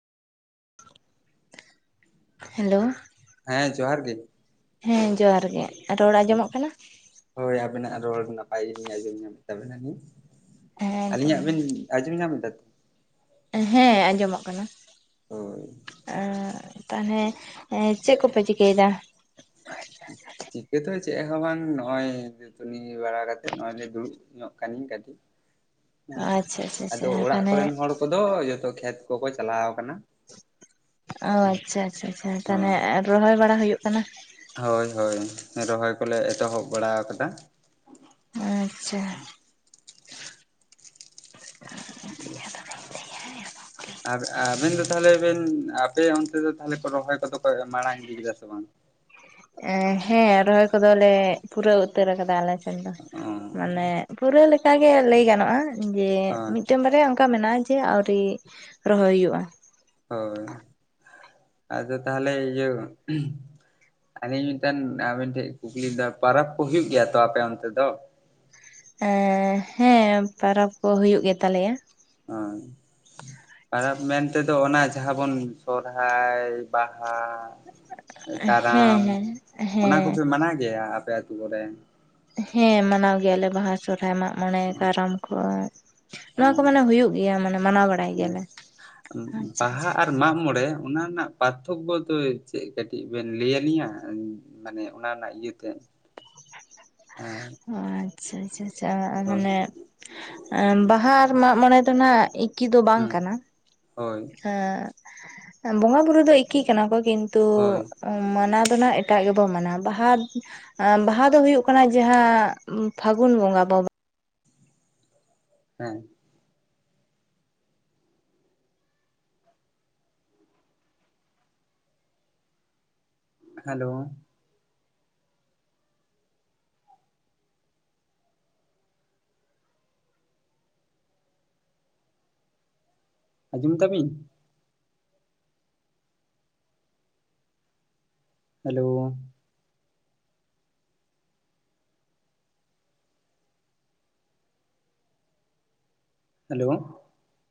Hello, ᱦᱮᱸ ᱡᱚᱸᱦᱟᱨ ᱜᱮ᱾ ᱦᱮᱸ ᱡᱚᱸᱦᱟᱨ ᱜᱮ ᱨᱚᱲ ᱟᱸᱡᱚᱢᱚᱜ ᱠᱟᱱᱟ? ᱦᱳᱭ ᱟᱹᱵᱤᱱᱟᱜ ᱨᱚᱲ ᱱᱟᱯᱟᱭ ᱜᱮ ᱞᱤᱧ ᱟᱸᱡᱚᱢ ᱧᱟᱢᱮᱫ ᱛᱟᱵᱮᱱᱟᱞᱤᱧ ᱦᱮᱸ ᱛᱚ ᱟᱹᱞᱤᱧᱟᱜ ᱵᱤᱱ ᱟᱸᱡᱚᱢᱸ ᱧᱟᱢ ᱮᱫᱟᱛ? ᱦᱮᱸ ᱟᱸᱡᱚᱢᱚᱜ ᱠᱟᱱᱟ᱾ ᱦᱳᱭ, ᱮᱸ ᱛᱟᱦᱚᱞᱮ ᱪᱮᱫ ᱠᱚᱯᱮ ᱪᱤᱠᱟᱹᱭᱫᱟ? ᱪᱤᱠᱟᱹ ᱛᱚ ᱪᱮᱫ ᱦᱚᱸ ᱵᱟᱝ ᱱᱚ-ᱚᱭ ᱫᱟᱹᱛᱩᱱᱤ ᱵᱟᱲᱟ ᱠᱟᱛᱮᱜ ᱱᱚ-ᱚᱭ ᱞᱮ ᱫᱩᱲᱩᱵ ᱧᱚᱜ ᱠᱟᱹᱱᱟᱹᱧ ᱠᱟᱹᱴᱤᱡ᱾ [unintelligible] ᱦᱮᱸ ᱟᱪᱪᱷᱟ [unintelligible] ᱟᱫᱚ ᱟᱪᱪᱷᱟ ᱚᱲᱟᱜ ᱛᱟᱦᱚᱞᱮ ᱠᱚᱨᱮᱱ ᱦᱚᱲ ᱠᱚᱫᱚ ᱡᱚᱛᱚ ᱠᱷᱮᱛ ᱠᱚᱠᱚ ᱪᱟᱞᱟᱣ ᱠᱟᱱᱟ ᱾ ᱚ ᱟᱪᱪᱷᱟ ᱟᱪᱪᱷᱟ ᱟᱪᱷᱟ, ᱛᱟᱦᱚᱞᱮ ᱨᱚᱦᱚᱭ ᱵᱟᱲᱟ ᱦᱩᱭᱩᱜ ᱠᱟᱱᱟ? ᱦᱳᱭ ᱦᱳᱭ ᱨᱚᱦᱚᱭ ᱠᱚᱞᱮ ᱮᱛᱚᱦᱚᱵ ᱵᱟᱲᱟ ᱟᱠᱟᱫᱟ ᱾ [inaudible] [unintelligible] ᱟᱵᱮᱱ ᱫᱚ ᱛᱟᱦᱚᱞᱮ ᱵᱮᱱ, ᱟᱯᱮ ᱚᱱᱛᱮ ᱫᱚ ᱛᱟᱦᱚᱞᱮ ᱨᱚᱦᱚᱭ ᱠᱚᱫᱚ ᱠᱚ ᱢᱟᱲᱟᱝ ᱤᱫᱤ ᱠᱮᱫᱟ ᱥᱮ ᱵᱟᱝ? ᱦᱮᱸ ᱨᱚᱦᱚᱭ ᱠᱚᱫᱚ ᱞᱮ ᱯᱩᱨᱟᱹᱣ ᱩᱛᱟᱹᱨ ᱟᱠᱟᱫᱟ ᱟᱞᱮ ᱥᱮᱱ ᱫᱚ ᱚ ᱾ ᱢᱟᱱᱮ ᱯᱩᱨᱟᱹ ᱞᱮᱠᱟ ᱜᱮ ᱞᱟᱹᱭ ᱜᱟᱱᱚᱜ-ᱟ ᱡᱮ ᱢᱤᱫ ᱦᱳᱭ ᱢᱤᱫᱴᱟᱝ ᱵᱟᱨᱭᱟ ᱚᱱᱠᱟ ᱢᱮᱱᱟᱜᱼᱟ ᱡᱮ ᱟᱣᱨᱤ ᱨᱚᱦᱚᱭ ᱦᱩᱭᱩᱜᱼᱟ᱾ ᱦᱳᱭ, ᱟᱫᱚ ᱛᱟᱦᱚᱞᱮ ᱤᱭᱟᱹ ᱟᱹᱞᱤᱧ ᱢᱤᱫᱴᱮᱱ ᱟᱹᱵᱤᱱ ᱴᱷᱮᱡ ᱠᱩᱠᱞᱤ ᱫᱚ ᱯᱚᱨᱚᱵ ᱠᱚ ᱦᱩᱭᱩᱜ ᱜᱮᱭᱟ ᱛᱚ ᱟᱯᱮ ᱚᱱᱛᱮ ᱫᱚ? ᱦᱮᱸ, ᱯᱚᱨᱚᱵ ᱠᱚ ᱦᱩᱭᱩᱜ ᱜᱮᱛᱟ ᱞᱮᱭᱟ ᱾ [unintelligible] ᱯᱚᱨᱚᱵ ᱢᱮᱱ ᱛᱮᱫᱚ ᱚᱱᱟ ᱡᱟᱦᱟᱸ ᱵᱚᱱ ᱥᱚᱨᱦᱟᱭ ᱵᱟᱦᱟ ᱦᱮᱸ ᱠᱟᱨᱟᱢ, ᱦᱮᱸ ᱚᱱᱟ ᱦᱮᱸ ᱠᱚᱯᱮ ᱢᱟᱱᱟᱣ ᱜᱮᱭᱟ ᱟᱯᱮ ᱟᱛᱳ ᱠᱚᱨᱮ? ᱦᱮᱸ ᱢᱟᱱᱟᱣ ᱜᱮᱭᱟ ᱞᱮ ᱵᱟᱦᱟ ᱥᱚᱨᱚᱦᱟᱭ ᱢᱟᱜ ᱢᱚᱬᱮ ᱠᱟᱨᱟᱢ ᱠᱚ ᱾ ᱱᱚᱣᱟ ᱠᱚ ᱢᱟᱱᱮ ᱦᱩᱭᱩᱜ ᱜᱮᱭᱟ ᱢᱟᱱᱮ ᱢᱟᱱᱟᱣ ᱵᱟᱲᱟᱭ ᱜᱮᱭᱟ ᱞᱮ ᱾ ᱵᱟᱦᱟ ᱟᱨ ᱢᱟᱜ ᱢᱚᱬᱮ ᱚᱱᱟ ᱨᱮᱱᱟᱜ ᱯᱟᱨᱛᱷᱚᱠᱚ ᱫᱚ ᱪᱮᱫ, ᱠᱟᱹᱴᱤᱡ ᱵᱮᱱ ᱞᱟᱹᱭ ᱟᱹᱞᱤᱧᱟ ᱢᱟᱱᱮ ᱚᱱᱟ ᱨᱮᱱᱟᱜ ᱤᱭᱟᱹᱛᱮᱫ? [unintelligible] ᱦᱮᱸ ᱾ ᱚ ᱟᱪᱪᱷᱟ ᱟᱪᱪᱷᱟ ᱟᱪᱷᱟ ᱢᱟᱱᱮ ᱵᱟᱦᱟ ᱟᱨ ᱢᱟᱜ ᱢᱚᱬᱮ ᱫᱚ ᱱᱟᱜ ᱮᱠᱤ ᱫᱚ ᱵᱟᱝ ᱦᱩᱸ ᱠᱟᱱᱟ ᱾ ᱦᱳᱭ ᱾ ᱮᱸ ᱵᱚᱸᱜᱟ ᱵᱩᱨᱩ ᱫᱚ ᱮᱠᱤ ᱠᱟᱱᱟ ᱠᱚ ᱠᱤᱱᱛᱩ ᱦᱳᱭ ᱢᱟᱱᱟᱣ ᱫᱚ ᱱᱟᱜ ᱮᱴᱟᱜ ᱜᱮᱵᱚ ᱢᱟᱱᱟᱣᱟ ᱵᱟᱦᱟ ᱵᱟᱦᱟ ᱫᱚ ᱦᱩᱭᱩᱜ ᱠᱟᱱᱟ ᱡᱟᱦᱟᱸ ᱯᱷᱟᱹᱜᱩᱱ ᱵᱚᱸᱜᱟ ᱵᱟᱵ ᱦᱮᱸ ᱾ ᱦᱮᱞᱳ ᱾ ᱟᱸᱡᱚᱢ ᱫᱟᱵᱤᱱ ᱦᱮᱞᱳ ᱾ ᱦᱮᱞᱳ ᱾